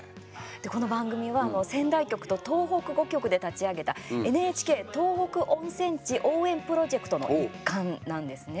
この番組は仙台局と東北５局で立ち上げたＮＨＫ東北温泉地応援プロジェクトの一環なんですね。